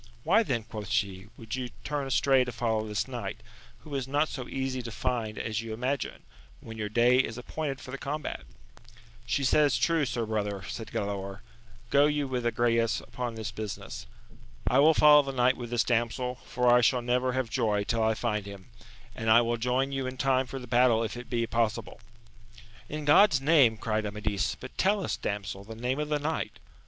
Why then, quoth she, would you turn astray to follow this knight, who is not so easy to find as you imagine, when your day is appointed for the combat 1 She says true, sir brother, said Galaor : go you with Agrayes upon this business ; I will follow the knight with this damsel, for I shall never have joy tiU I find him, and I will join you in time for the battle if it be possible. In God's name ! cried Amadis, but tell us, damsel, the name of the knight.